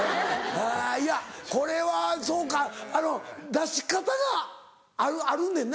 いやこれはそうかあの出し方があるねんな？